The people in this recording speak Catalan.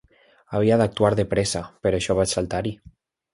Havia d'actuar de pressa, per això vaig saltar-hi.